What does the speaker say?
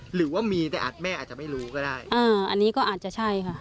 หรือว่ามีแต่แม่อาจจะไม่รู้ก็ได้อ่าอันนี้ก็อาจจะใช่ค่ะ